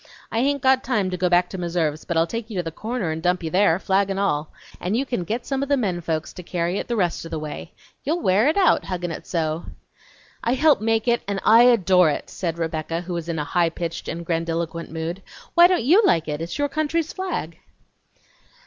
I hain't got time to go back to Meserve's, but I'll take you to the corner and dump you there, flag n' all, and you can get some o' the men folks to carry it the rest o' the way. You'll wear it out, huggin' it so!" "I helped make it and I adore it!" said Rebecca, who was in a high pitched and grandiloquent mood. "Why don't YOU like it? It's your country's flag."